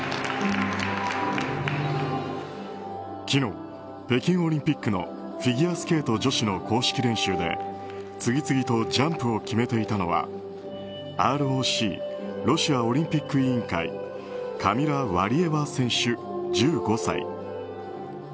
昨日、北京オリンピックのフィギュアスケート女子の公式練習で次々とジャンプを決めていたのはＲＯＣ・ロシアオリンピック委員会カミラ・ワリエワ選手、１５歳。